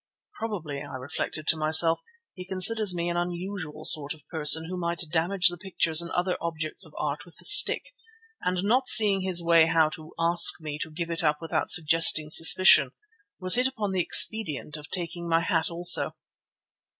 Probably, I reflected to myself, he considers me an unusual sort of person who might damage the pictures and other objects of art with the stick, and not seeing his way how to ask me to give it up without suggesting suspicion, has hit upon the expedient of taking my hat also.